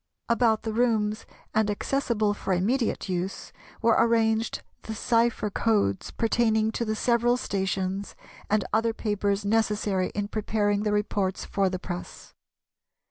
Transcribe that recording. About the rooms and accessible for immediate use were arranged the cypher codes pertaining to the several stations and other papers necessary in preparing the reports for the press.